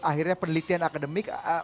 akhirnya penelitian akademik